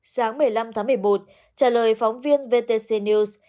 sáng một mươi năm tháng một mươi một trả lời phóng viên vtc news